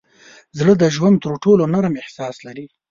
زړه د ژوند تر ټولو نرم احساس لري.